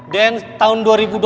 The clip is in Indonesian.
dance tahun dua ribu dua puluh